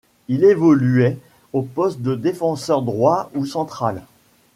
Il évoluait au poste de défenseur droit ou central.